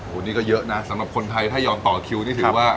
วันนี้ก็เยอะนะสำหรับคนไทยถ้ายอมต่อคิวนี่ถือว่า